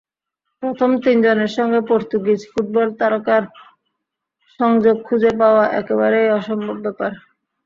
প্রথম তিনজনের সঙ্গে পর্তুগিজ ফুটবল তারকার সংযোগ খুঁজে পাওয়া একেবারেই অসম্ভব ব্যাপার।